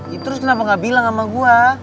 ya terus kenapa gak bilang sama gue